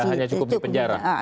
hanya cukup di penjara